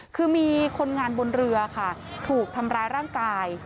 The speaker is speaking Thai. คือมีคนงานบนเรือค่ะถูกทำร้ายร่างกาย